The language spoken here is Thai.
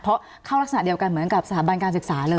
เพราะเข้ารักษณะเดียวกันเหมือนกับสถาบันการศึกษาเลย